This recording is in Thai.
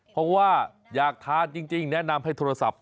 เพราะว่าอยากทานจริงแนะนำให้โทรศัพท์